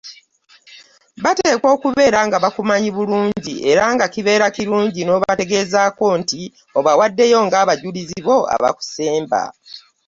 Bateekwa okubeera nga bakumanyi bulungi era kibeera kirungi n’obategezaako nti obawaddeyo ng’abajulizi bo abakusemba.